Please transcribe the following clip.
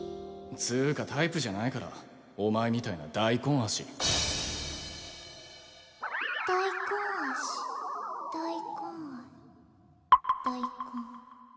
つーかタイプじゃないからお前みたいな大根足大根足大根足大根